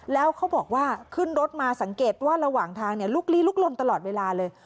แล้วเขาบอกว่าขึ้นรถมาสังเกตว่าระหว่างทางลุกลี้ลุกลนตลอดเวลาเลย